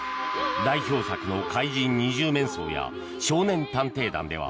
代表作の「怪人二十面相」や「少年探偵団」では